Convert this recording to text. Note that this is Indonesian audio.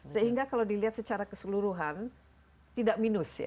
sehingga kalau dilihat secara keseluruhan tidak minus ya